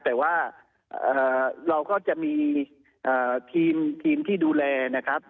แต่ว่าเราก็จะมีทีมที่ดูแลนะครับ